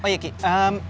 kalau ini kein benda tuh